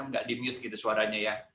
tidak di mute gitu suaranya